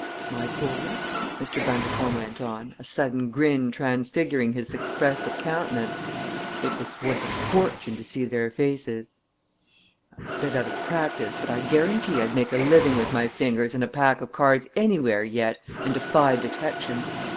My boy," Mr. Bundercombe went on, a sudden grin transfiguring his expressive countenance, "it was worth a fortune to see their faces! "I was a bit out of practice, but I guarantee I'd make a living with my fingers and a pack of cards anywhere yet and defy detection.